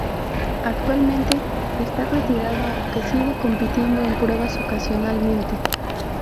Actualmente está retirado aunque sigue compitiendo en pruebas ocasionalmente.